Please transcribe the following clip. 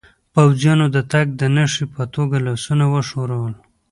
پوځیانو د تګ د نښې په توګه لاسونه و ښورول.